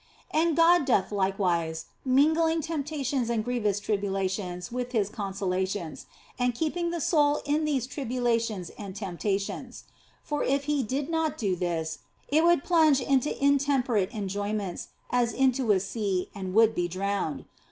And God doth likewise, mingling temptations and grievous tribulations with His conso lations, and keeping the soul in these tribulations and temptations ; for if He did not do this, it would plunge into intemperate enjoyments as into a sea and would be drowned.